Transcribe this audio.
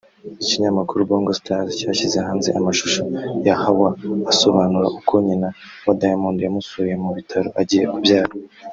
Ikinyamakuru Bongo Stars cyashyize hanze amashusho ya Hawa asobanura uko nyina wa Diamond yamusuye mu bitaro agiye kubyara